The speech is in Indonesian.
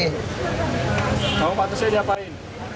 kamu patutnya diapain